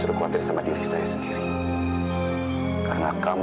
dapwa saudara irlanda